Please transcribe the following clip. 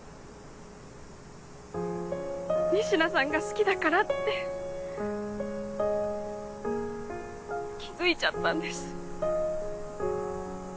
仁科さんが好きだからって気付いちゃったんです。